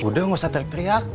udah gak usah teriak teriak